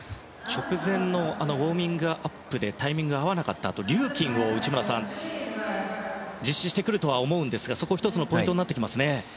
直前のウォーミングアップでタイミングが合わなかったあとリューキンを実施してくると思いますがそこは１つのポイントになってきますね。